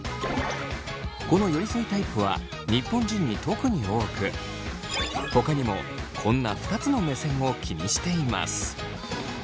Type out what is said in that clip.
この寄り添いタイプは日本人に特に多くほかにもこんな２つの目線を気にしています。